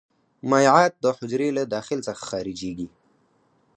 مایعات د حجرې له داخل څخه خارجيږي.